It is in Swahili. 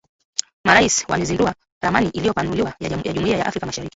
Marais wamezindua ramani iliyopanuliwa ya Jumuiya ya Afrika Mashariki